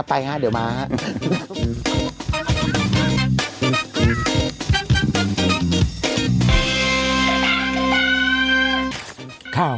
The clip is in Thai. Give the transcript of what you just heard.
ไปฮะเดี๋ยวมาฮะ